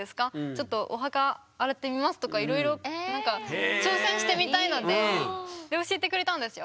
ちょっとお墓洗ってみますとかいろいろ何か挑戦してみたいのでで教えてくれたんですよ。